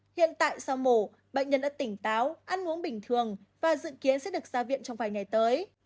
hiện tại sau mổ bệnh nhân đã tỉnh táo ăn uống bình thường và dự kiến sẽ được ra viện trong vài ngày tới